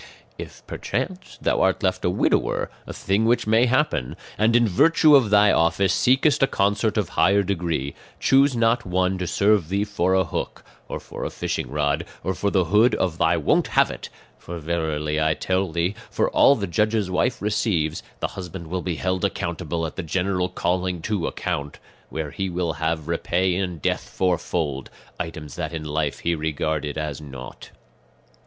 "If perchance thou art left a widower a thing which may happen and in virtue of thy office seekest a consort of higher degree, choose not one to serve thee for a hook, or for a fishing rod, or for the hood of thy 'won't have it;' for verily, I tell thee, for all the judge's wife receives, the husband will be held accountable at the general calling to account; where he will have repay in death fourfold, items that in life he regarded as naught.